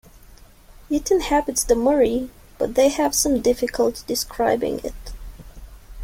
It inhabits the Murray; but ... they have some difficulty describing it.